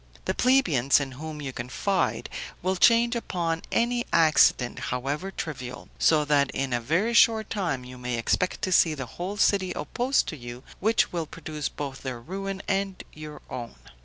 The plebeians, in whom you confide, will change upon any accident, however trivial; so that in a very short time you may expect to see the whole city opposed to you, which will produce both their ruin and your own.